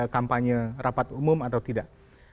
kampanye rapat umum atau tidak